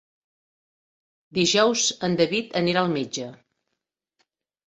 Dijous en David anirà al metge.